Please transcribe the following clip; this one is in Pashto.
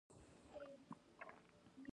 غوا هڅه کوله چې په پټه د ګاونډي پټي ته واوړي.